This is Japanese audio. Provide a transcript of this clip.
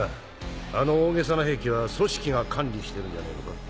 あの大げさな兵器は組織が管理してるんじゃねえのか？